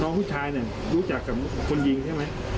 ผู้ชายเนี่ยรู้จักกับคนยิงใช่ไหม